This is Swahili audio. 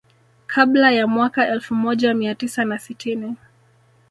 Kabla ya mwaka elfu moja mia tisa na sitini